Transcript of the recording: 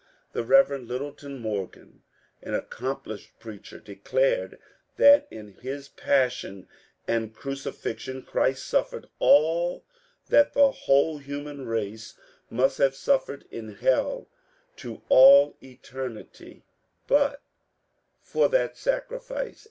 The Rev. Lytdeton Morgan, an accomplished preacher, declared that in his Passion and Crucifixion Christ suffered all that the whole human race must have suffered in hell to all eter nity but for that sacrifice.